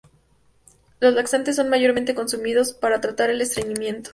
Los laxantes son mayormente consumidos para tratar el estreñimiento.